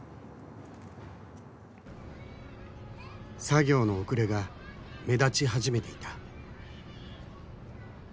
作業の遅れが目立ち始めていた。